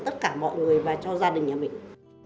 tất cả mọi người và cho gia đình nhà mình